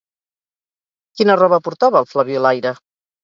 Quina roba portava el Flabiolaire?